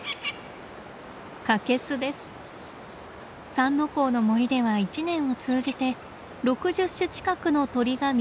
三之公の森では一年を通じて６０種近くの鳥が見られます。